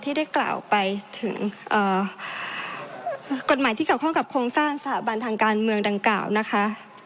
ได้กล่าวไปถึงกฎหมายที่เกี่ยวข้องกับโครงสร้างสถาบันทางการเมืองดังกล่าวนะคะ